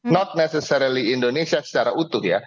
not necessarily indonesia secara utuh ya